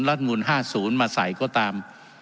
รัฐมูล๕๐มาใส่ก็ตาม